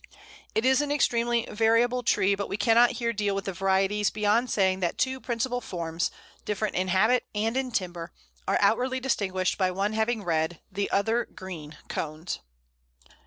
It is an extremely variable tree, but we cannot here deal with the varieties beyond saying that two principal forms, different in habit and in timber, are outwardly distinguished by one having red, the other green, cones.